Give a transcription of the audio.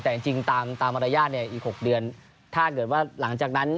แต่จริงตามตามมารยาทเนี่ยอีก๖เดือนถ้าเกิดว่าหลังจากนั้น